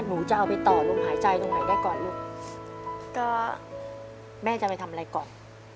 หนูจะเอาไปต่อลมหายใจตรงไหนได้ก่อนลูกก็แม่จะไปทำอะไรก่อน